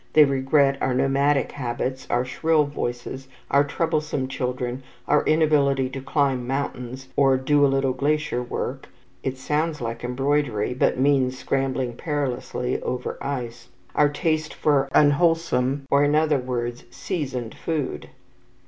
They regret our nomadic habits, our shrill voices, our troublesome children, our inability to climb mountains or "do a little glacier work" (it sounds like embroidery, but means scrambling perilously over ice), our taste for unwholesome or, in other words, seasoned food.